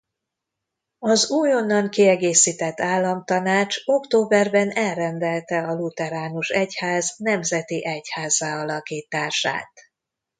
Az újonnan kiegészített Államtanács októberben elrendelte a lutheránus egyház nemzeti egyházzá alakítását.